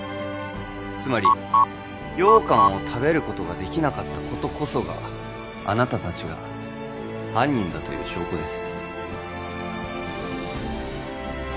つまり羊羹を食べることができなかったことこそがあなた達が犯人だという証拠です